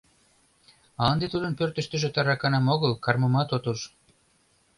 Ынде тудын пӧртыштыжӧ тараканым огыл, кармымат от уж.